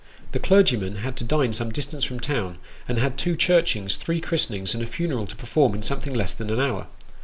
The clergyman bad to dine some distance from town, and had two churchings, three christenings, and a funeral to perform in something less than an hour.